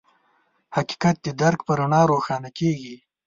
حقیقت د درک په رڼا روښانه کېږي.